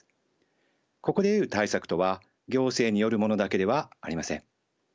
ここで言う対策とは行政によるものだけではありません。